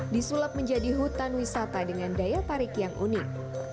disulap menjadi hutan wisata dengan daya tarik yang unik